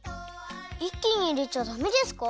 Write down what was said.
いっきにいれちゃダメですか？